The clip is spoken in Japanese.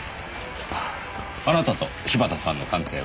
あなたと柴田さんの関係は？